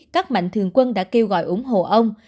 các mạnh thường quân đã kêu gọi ủng hộ ông